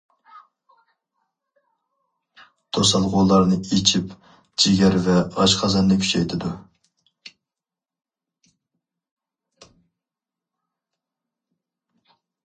توسالغۇلارنى ئېچىپ، جىگەر ۋە ئاشقازاننى كۈچەيتىدۇ.